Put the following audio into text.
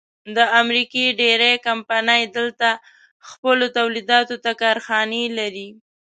د امریکې ډېرۍ کمپنۍ دلته خپلو تولیداتو ته کارخانې لري.